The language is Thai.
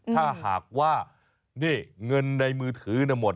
ถ้าหากว่าเงินในมือถือน่ะหมด